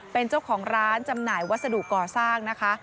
เป็นเจ้าของร้านจำหน่ายวัสดุก่อสร้างนะคะ